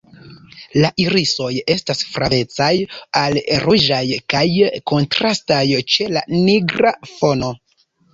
La irisoj estas flavecaj al ruĝaj kaj kontrastaj ĉe la nigra fono.